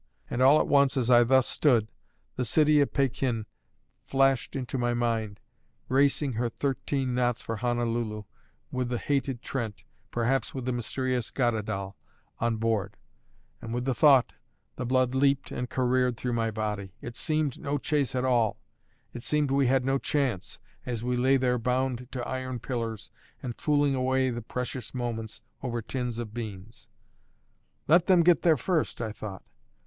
And all at once, as I thus stood, the City of Pekin flashed into my mind, racing her thirteen knots for Honolulu, with the hated Trent perhaps with the mysterious Goddedaal on board; and with the thought, the blood leaped and careered through all my body. It seemed no chase at all; it seemed we had no chance, as we lay there bound to iron pillars, and fooling away the precious moments over tins of beans. "Let them get there first!" I thought.